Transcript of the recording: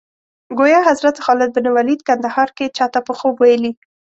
ګویا حضرت خالد بن ولید کندهار کې چا ته په خوب ویلي.